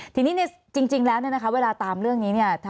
ทีนี้จริงแล้วเวลาตามเรื่องนี้